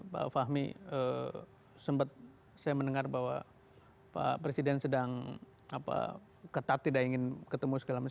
pak fahmi sempat saya mendengar bahwa pak presiden sedang ketat tidak ingin ketemu segala macam